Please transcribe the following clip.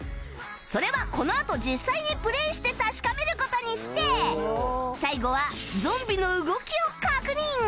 それはこのあと実際にプレーして確かめる事にして最後はゾンビの動きを確認